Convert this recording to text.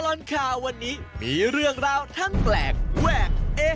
ตลอดข่าววันนี้มีเรื่องราวทั้งแปลกแวกเอ๊